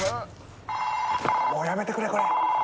もうやめてくれ！